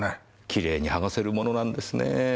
きれいにはがせるものなんですねぇ。